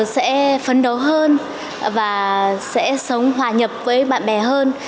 sẽ phấn đấu hơn và sẽ sống hòa nhập với bạn bè hơn